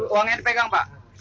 uangnya dipegang pak